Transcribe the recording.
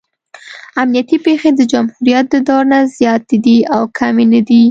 امنیتي پېښې د جمهوریت د دور نه زیاتې دي او کمې نه دي.